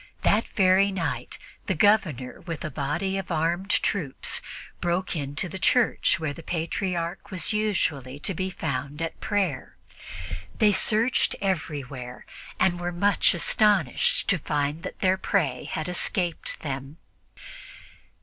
That very night the Governor, with a body of armed troops, broke into the church where the Patriarch was usually to be found at prayer. They searched everywhere and were much astonished to find that their prey had escaped them.